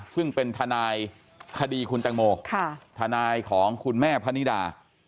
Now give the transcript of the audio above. ซึ่งเป็นทนายคดีคุณแตงโมทนายของคุณแม่พนิดา